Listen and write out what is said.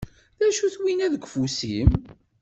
D acu-t winna deg ufus-im?